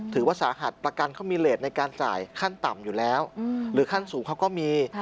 ถือว่าสาหัสประกันเขามีเลสในการจ่ายขั้นต่ำอยู่แล้วหรือขั้นสูงเขาก็มี